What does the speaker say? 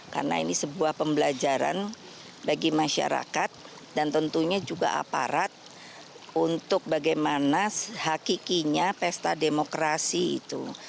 karena ini sebuah pembelajaran bagi masyarakat dan tentunya juga aparat untuk bagaimana hakikinya pesta demokrasi itu